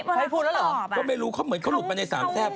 ใครพูดแล้วเหรอก็ไม่รู้เขาเหมือนเขาหลุดมาในสามแทรฟ